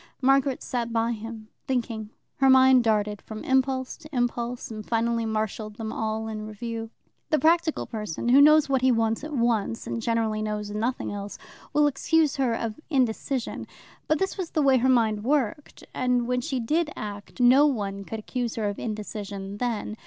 Margaret sat by him, thinking. Her mind darted from impulse to impulse, and finally marshalled them all in review. The practical person, who knows what he wants at once, and generally knows nothing else, will excuse her of indecision. But this was the way her mind worked. And when she did act, no one could accuse her of indecision then.